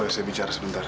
boleh saya bicara sebentar